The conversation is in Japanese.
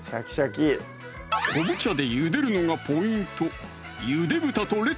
昆布茶でゆでるのがポイント